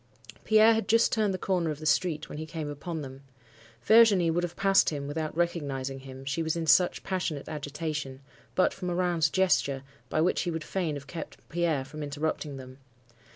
Pierre had just turned the corner of the street, when he came upon them. Virginie would have passed him without recognizing him, she was in such passionate agitation, but for Morin's gesture, by which he would fain have kept Pierre from interrupting them.